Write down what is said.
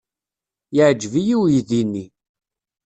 Yeɛjeb-iyi uydi-nni.